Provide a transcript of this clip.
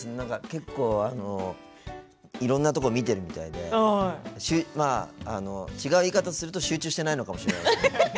結構いろんなところ見ているみたいで違う言い方をすると集中してないのかもしれないです。